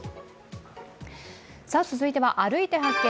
続いては「歩いて発見！